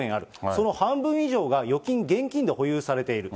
その半分以上が預金・現金で保有されている。